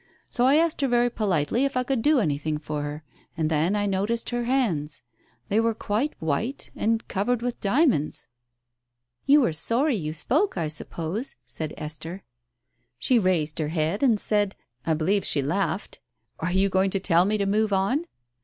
So I asked her very politely if I could do anything for her, and then I noticed her hands — they were quite white and covered with diamonds." "You were sorry you spoke, I suppose," said Esther. " She raised her head and said — I believe she laughed —' Are you going to tell me to move on